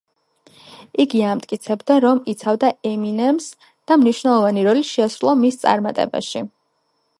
იგი ამტკიცებდა, რომ იცავდა ემინემს და მნიშვნელოვანი როლი შეასრულა მის წარმატებაში.